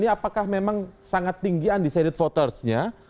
apakah memang sangat tinggi an decided votersnya